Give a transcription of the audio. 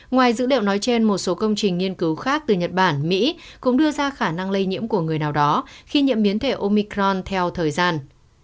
ngoài dữ liệu nói trên một số công trình nghiên cứu khác từ nhật bản mỹ cũng đưa ra khả năng lây nhiễm của người nào đó khi nhiễm biến thể omicron theo thời gian